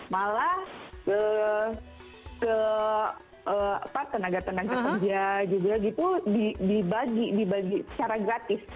malah ke tenaga tenaga kerja juga gitu dibagi secara gratis